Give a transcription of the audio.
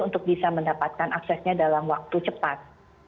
untuk bisa mendapatkan aksesnya dalam waktu cepat